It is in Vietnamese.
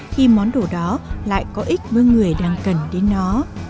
khi món đồ đó lại có ích với người đang cần đến nó